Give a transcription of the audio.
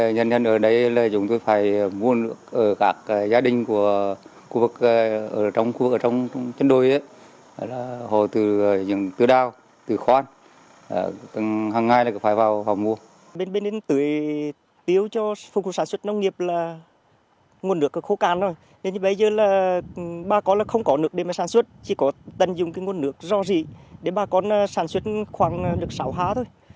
nước đem mới sản xuất chỉ có tân dung cái nguồn nước do gì để bà con sản xuất khoan được sáu há thôi